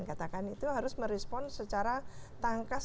katakan itu harus merespon secara tangkas